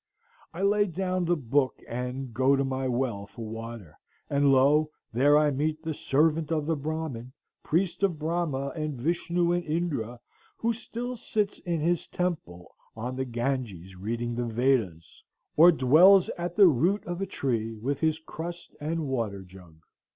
I lay down the book and go to my well for water, and lo! there I meet the servant of the Bramin, priest of Brahma and Vishnu and Indra, who still sits in his temple on the Ganges reading the Vedas, or dwells at the root of a tree with his crust and water jug.